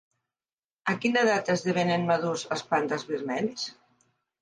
A quina edat esdevenen madurs els pandes vermells?